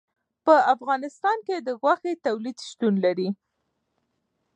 په افغانستان کې د غوښې تولید شتون لري.